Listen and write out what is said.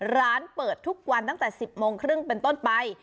ร้านเปิดทุกวันตั้งแต่๑๐โมงครึ่งเป็นต้นไป